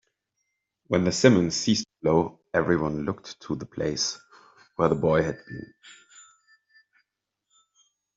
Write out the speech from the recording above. When the simum ceased to blow, everyone looked to the place where the boy had been.